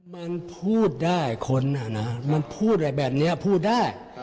มันพูดได้คนมันพูดแบบนี้พูดได้